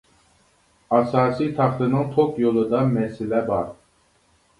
ئاساسىي تاختىنىڭ توك يولىدا مەسىلە بار.